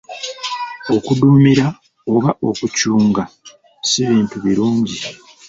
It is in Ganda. Okuduumira oba okucunga si bintu birungi.